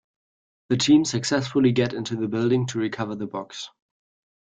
The team successfully get into the building to recover the box.